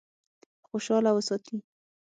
خوشاله وساتي.